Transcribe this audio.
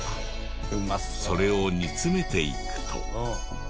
それを煮詰めていくと。